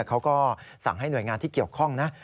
เขาก็สั่งให้หน่วยงานที่เกี่ยวข้องนะ